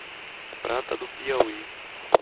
Prata do Piauí